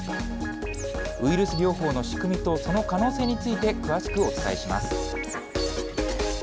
ウイルス療法の仕組みとその可能性について、詳しくお伝えします。